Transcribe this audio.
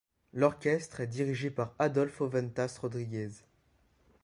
L'orchestre est dirigé par Adolfo Ventas Rodríguez.